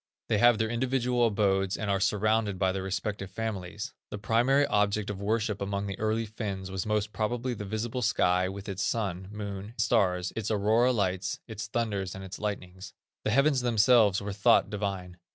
They have their individual abodes and are surrounded by their respective families. The Primary object of worship among the early Finns was most probably the visible sky with its sun, moon, and stars, its aurora lights, its thunders and its lightnings. The heavens themselves were thought divine.